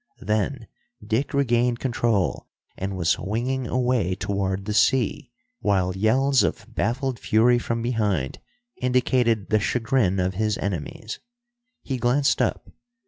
Then Dick regained control, and was winging away toward the sea, while yells of baffled fury from behind indicated the chagrin of his enemies. He glanced up.